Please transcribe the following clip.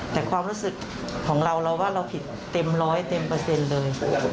แต่ความรู้สึกของเราเราว่าเราผิดเต็มร้อยเต็มเปอร์เซ็นต์เลย